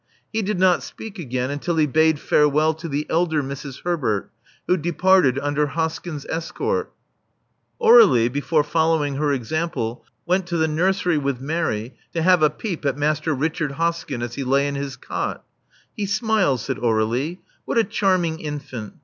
He did not speak again until he bade farewell to the elder Mrs. Herbert, who departed under Hoskyn's escort. Aur^lie, before following her example, went to the nursery with Mary, to have a peep at Master Richard Hoskyn, as he lay in his cot. He smiles," said Aur^lie. What a charming infant!